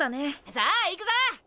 さあ行くぞ！